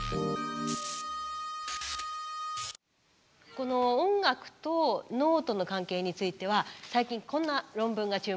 この音楽と脳との関係については最近こんな論文が注目を集めています。